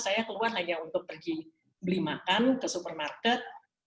saya keluar hanya untuk pergi beli makan ke supermarket